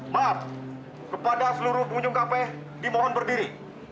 maaf kepada seluruh pengunjung kp dimohon berdiri